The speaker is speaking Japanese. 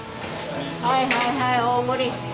はいはいはい大盛り。